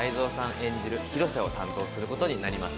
演じる広瀬を担当することになります。